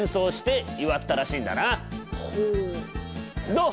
どう？